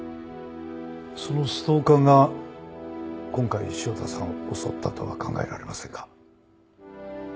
そのストーカーが今回汐田さんを襲ったとは考えられませんか？